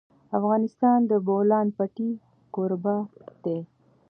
افغانستان د د بولان پټي کوربه دی.